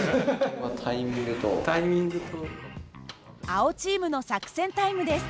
青チームの作戦タイムです。